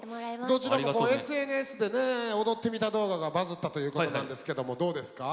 どちらもＳＮＳでね踊ってみた動画がバズったということなんですけどもどうですか？